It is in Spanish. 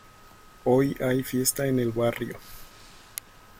Hoy hay fiesta en el barrio